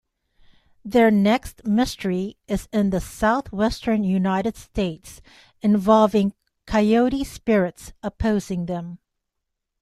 Their next mystery is in the Southwestern United States, involving coyote spirits opposing them.